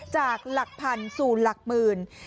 จากหลักพันสู่หลักหมื่น